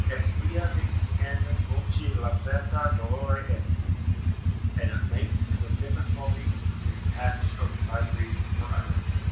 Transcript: "Et via vix tandem voci laxata dolore est." ["And at length and with difficulty is a passage opened by grief for utterance."